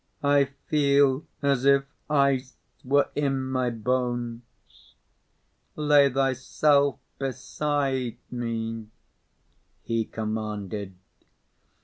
"I feel as if ice were in my bones! Lay thyself beside me!" he commanded.